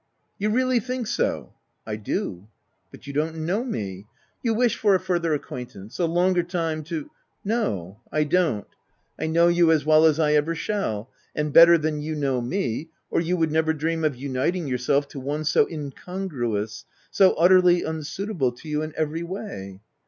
" You really think so ?"" I do." " But you don't know me — you wish for a further acquaintance— a longer time to —" OP WILDPSLL HALL. 293 ce No, I don't. I know you as well as I ever shall, and better than you know me, or you would never dream of uniting yourself to one so incongruous — so utterly unsuitable to you in every way."